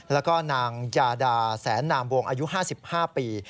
แล้วก็นางยาดาแสนนามวงอายุ๕๕ปี